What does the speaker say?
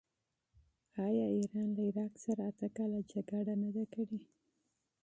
آیا ایران له عراق سره اته کاله جنګ نه دی کړی؟